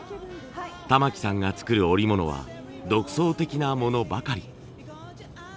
玉木さんが作る織物は独創的なものばかり。